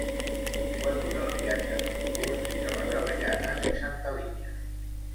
Quant dura el viatge en autobús fins a les Avellanes i Santa Linya?